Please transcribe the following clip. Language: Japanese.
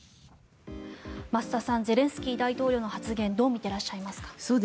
増田さんゼレンスキー大統領の発言どう見ていらっしゃいますか。